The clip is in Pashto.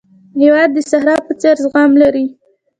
هېواد د صحرا په څېر زغم لري.